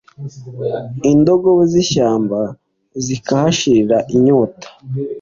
indogobe z’ishyamba zikahashirira inyota